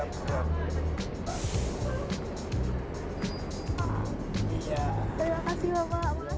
terima kasih mbak